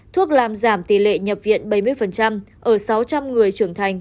thuốc làm giảm tỷ lệ nhập viện bảy mươi ở sáu trăm linh người trưởng thành